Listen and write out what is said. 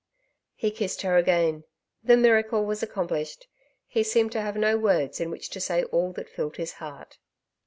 He kissed her again.... The miracle was accomplished. He seemed to have no words in which to say all that filled his heart.